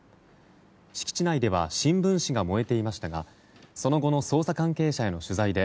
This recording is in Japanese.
敷地内では新聞紙が燃えていましたがその後の捜査関係者への取材で